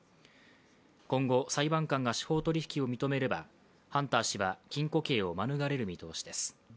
今後、裁判官が司法取引を認めればハンター氏は、禁錮刑を免れる見通しです。